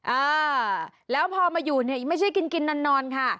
อ่าแล้วพอมาอยู่เนี่ยไม่ใช่กินกินนอนค่ะ